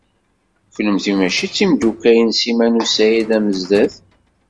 Kennemti mačči d timeddukal n Sliman u Saɛid Amezdat?